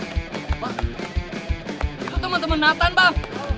itu temen temen nathan bang